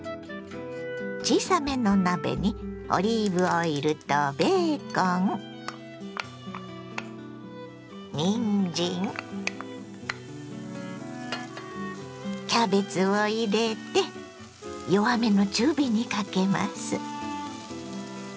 小さめの鍋にオリーブオイルとベーコンにんじんキャベツを入れて弱めの中火にかけます。